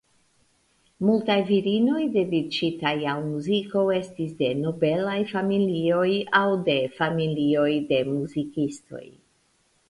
Multaj virinoj dediĉitaj al muziko estis de nobelaj familioj aŭ de familioj de muzikistoj.